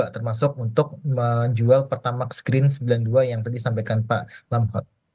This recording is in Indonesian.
termasuk untuk menjual pertamax green sembilan puluh dua yang tadi sampaikan pak lamhot